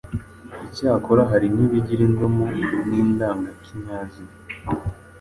icyakora hari n’ibigira indomo n’indangakinyazina